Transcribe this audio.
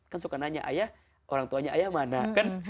kan suka nanya ayah orang tuanya ayah mana kan